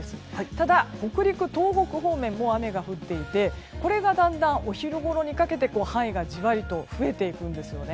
ただ北陸、東北方面も雨が降っていてこれがだんだんお昼ごろにかけて範囲が広がっていくんですよね。